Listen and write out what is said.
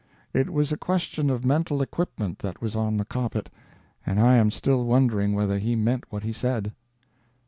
It was a question of mental equipment that was on the carpet, and I am still wondering whether he meant what he said.